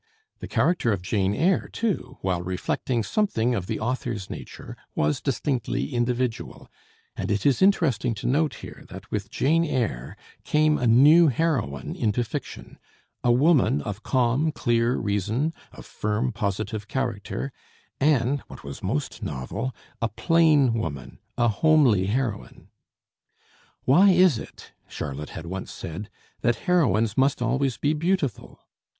The character of Jane Eyre, too, while reflecting something of the author's nature, was distinctly individual; and it is interesting to note here that with Jane Eyre came a new heroine into fiction, a woman of calm, clear reason, of firm positive character, and what was most novel, a plain woman, a homely heroine. "Why is it," Charlotte had once said, "that heroines must always be beautiful?"